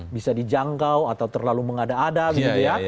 bisa dijangkau atau terlalu mengada ada begitu ya